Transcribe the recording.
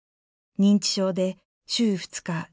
認知症で週２日